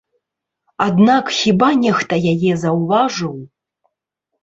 Аднак хіба нехта яе заўважыў?